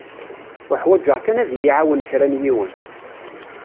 Uḥwaǧeɣ kan ad yi-iɛawen kra n yiwen.